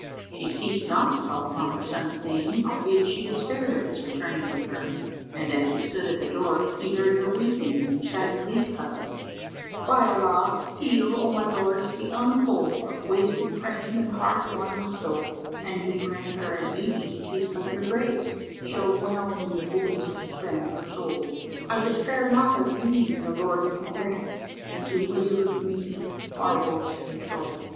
She ceased not to call upon her son's name albeit she despaired of his returning to her; and as he stood at the door, he heard her weeping and reciting these couplets, "By Allah, heal, O my lords, the unwhole * Of wasted frame and heart worn with dole: An you grant her a meeting 'tis but your grace * Shall whelm in the boons of the friend her soul: I despair not of Union the Lord can grant * And to weal of meeting our woes control!"